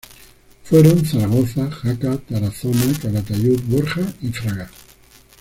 Fueron Zaragoza, Jaca, Tarazona, Calatayud, Borja y Fraga.